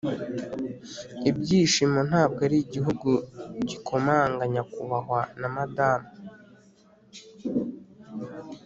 ibyishimo ntabwo ari igihugu gikomanga, nyakubahwa na madamu,